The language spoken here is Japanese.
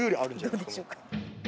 どうでしょうか。